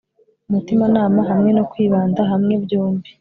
umutimanama hamwe no kwibanda hamwe byombi